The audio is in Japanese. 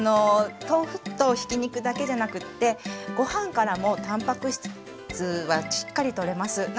豆腐とひき肉だけじゃなくってご飯からもたんぱく質はしっかりとれます。